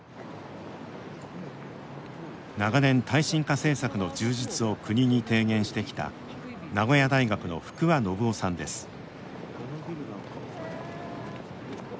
長年耐震化政策の充実を国に提言してきた名古屋大学の福和伸夫さんです。